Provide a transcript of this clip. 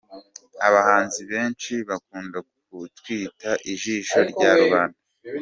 Abahanzi benshi bakunda kutwita ‘Ijisho rya rubanda’ .